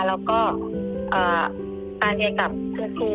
แล้วก็ตาเดียวกับคุณครู